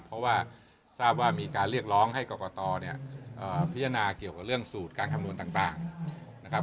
เพราะว่าทราบว่ามีการเรียกร้องให้กรกตเนี่ยพิจารณาเกี่ยวกับเรื่องสูตรการคำนวณต่างนะครับ